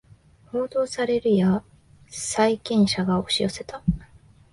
報道されるや債権者が押し寄せた